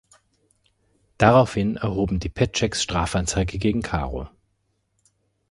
Daraufhin erhoben die Petscheks Strafanzeige gegen Caro.